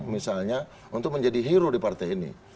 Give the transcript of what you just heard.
misalnya untuk menjadi hero di partai ini